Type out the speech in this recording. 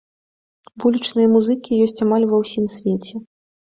Вулічныя музыкі ёсць амаль ва ўсім свеце.